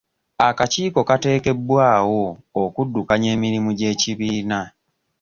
Akakiiko katekebwawo okudukanya emirimu gy'ekibiina.